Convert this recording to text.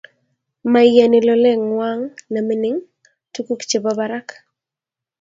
moiyoni loleng'wany nemining tukuk chebo barak